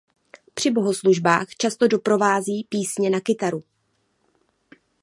Při bohoslužbách často doprovází písně na kytaru.